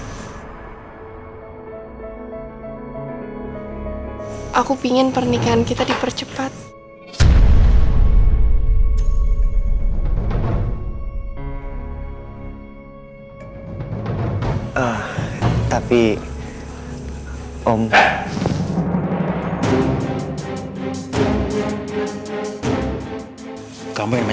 iya aku juga setuju sama apa yang kata mama sama papa bilang